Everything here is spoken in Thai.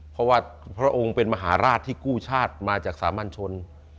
เพราะว่าพระองค์เป็นมหาราชที่กู้ชาติมาจากสามัญชน